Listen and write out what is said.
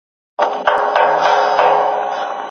که اړیکي قوي وي ژوند ښه کیږي.